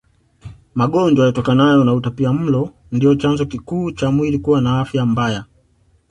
Magonjwa yatokanayo na utapiamlo ndio chanzo kikuu cha mwili kuwa na afya mbaya